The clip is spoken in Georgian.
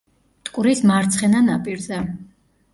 მტკვრის მარცხენა ნაპირზე.